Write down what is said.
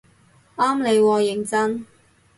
啱你喎認真